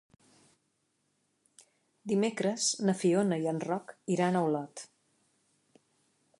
Dimecres na Fiona i en Roc iran a Olot.